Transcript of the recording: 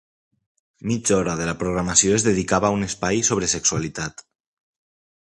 Mitja hora de la programació es dedicava a un espai sobre sexualitat.